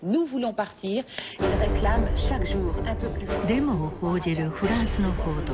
デモを報じるフランスの報道。